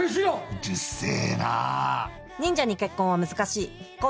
うるせえな！